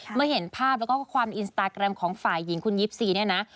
เมื่อเห็นภาพแล้วก็ความอินสตาแกรมของฝ่ายหญิงคุณ๒๔เนี่ยนะ